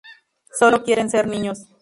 Sólo quieren ser niños.